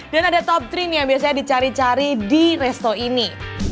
dan ada top tiga nih yang biasanya dicari cari di resto ini